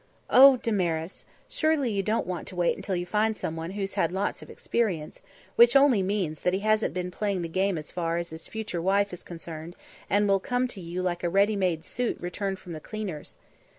"Oh, Damaris! Surely you don't want to wait until you find someone who's had lots of experience, which only means that he hasn't been playing the game as far as his future wife is concerned and will come to you like a ready made suit returned from the cleaner's.